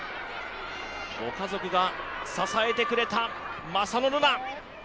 ご家族が支えてくれた正野瑠菜。